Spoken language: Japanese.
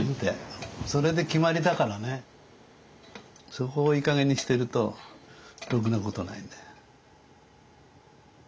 そこをいいかげんにしてるとろくなことはないんだよ。